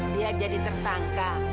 dia jadi tersangka